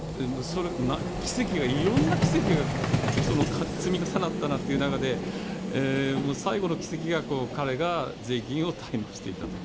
奇跡が、いろんな奇跡がその積み重なったなって中で、最後の奇跡が、彼が税金を滞納していたと。